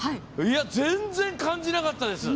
全然、感じなかったです。